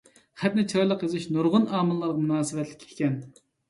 خەتنى چىرايلىق يېزىش نۇرغۇن ئامىللارغا مۇناسىۋەتلىك ئىكەن.